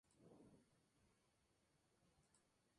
Ocupó dicho cargo por seis meses.